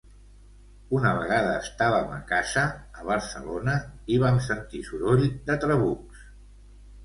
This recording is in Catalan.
Una vegada estàvem a casa, a Barcelona, i vam sentir soroll de trabucs.